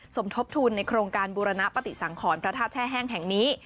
สมทบทุนในโครงการบูรณปฏิสังขรพระธาตุแช่แห้งแห่งนี้